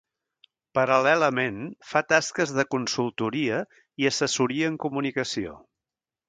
Paral·lelament, fa tasques de consultoria i assessoria en comunicació.